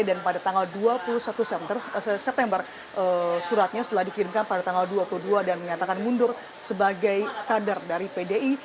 dan pada tanggal dua puluh satu september suratnya setelah dikirimkan pada tanggal dua puluh dua dan menyatakan mundur sebagai kader dari pdi